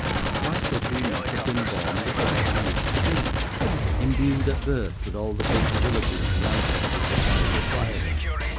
Why should he not have been born the god he is to be, imbued at birth with all the capabilities his ancestors have died acquiring?